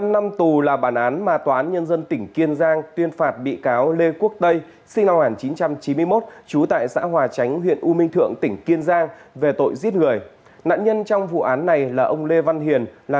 một mươi năm năm tù là bản án mà toán nhân dân tỉnh kiên giang tuyên phạt bị cáo lê quốc tây sinh năm một nghìn chín trăm chín mươi một